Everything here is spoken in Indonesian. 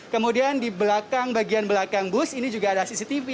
kemudian di belakang bagian belakang bus ini juga ada cctv